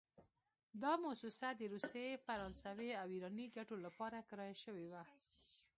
دا موسسه د روسي، فرانسوي او ایراني ګټو لپاره کرایه شوې وه.